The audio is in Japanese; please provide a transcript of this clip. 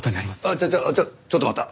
ちょちょちょっと待った。